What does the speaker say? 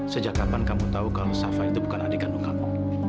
sejak kapan kamu tahu kamu safah itu bukan adik kandung kamu